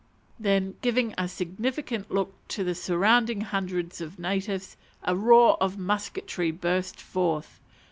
_" Then giving a significant look to the surrounding hundreds of natives, a roar of musketry burst forth.